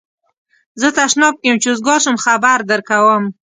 زه تشناب کی یم چی اوزګار شم خبر درکوم